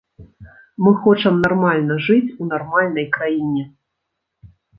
Мы хочам нармальна жыць у нармальнай краіне.